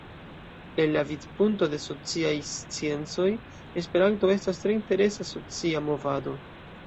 El la vidpunkto de sociaj sciencoj, Esperanto estas tre interesa socia movado.